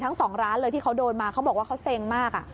ทั้งสองร้านเลยที่เขาโดนมาเขาบอกว่าเขาเซ็งมาก